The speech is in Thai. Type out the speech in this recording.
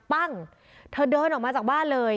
ประตู๓ครับ